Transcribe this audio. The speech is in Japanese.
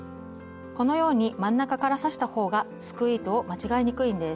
このように真ん中から刺したほうがすくう糸を間違えにくいんです。